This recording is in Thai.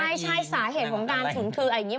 ใช่สาเหตุของการฉุนคืออย่างนี้